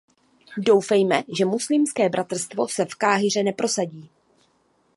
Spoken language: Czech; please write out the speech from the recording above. Doufejme, že Muslimské bratrstvo se v Káhiře neprosadí.